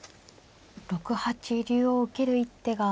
６八竜を受ける一手が。